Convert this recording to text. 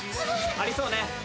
ありそうね。